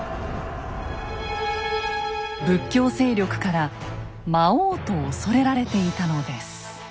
仏教勢力から魔王と恐れられていたのです。